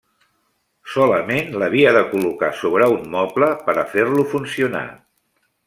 Solament l'havia de col·locar sobre un moble per a fer-lo funcionar.